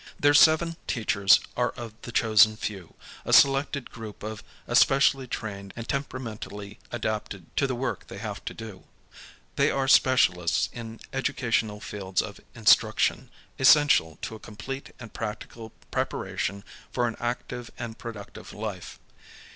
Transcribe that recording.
Their seven teachers are of the chosen few, a selected group e.s^pe . 120 . GUIDING CHILDRE N IN DEMOCRATIC LIVING cially trained and temperamentally adapted to the work they have to do. They are specialists in educational fields of instruction essential to a complete and practical preparation for an active and productive life.